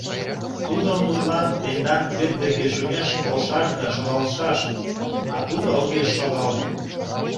Тудо, мутлан, тендан пӧрт дек шумеш толшаш да шогалшаш, а тудо огеш шогал.